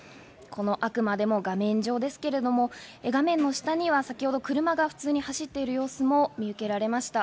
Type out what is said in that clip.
あくまでも画面上ですけれども、画面の下には先ほど車が普通に走っている様子も見受けられました。